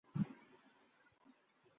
وہی رہیں گے۔